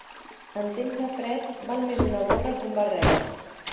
En temps de fred, val més una gorra que un barret.